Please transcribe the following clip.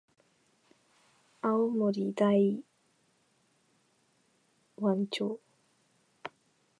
青森県大鰐町